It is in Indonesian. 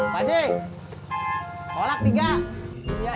pak j kolak tiga